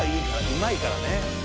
うまいからね。